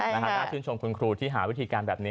ด้านถึงชมคุณครูที่จะหาวิธีการแบบนี้